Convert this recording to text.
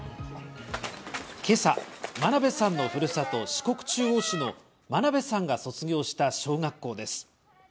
今朝、真鍋さんのふるさと、四国中央市の真鍋さんが卒業した小学校です。